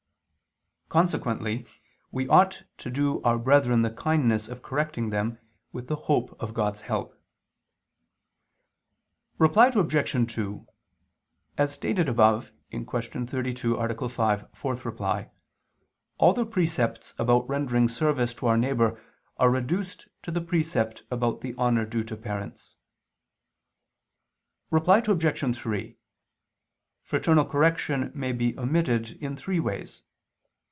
Consequently we ought to do our brethren the kindness of correcting them, with the hope of God's help. Reply Obj. 2: As stated above (Q. 32, A. 5, ad 4), all the precepts about rendering service to our neighbor are reduced to the precept about the honor due to parents. Reply Obj. 3: Fraternal correction may be omitted in three ways.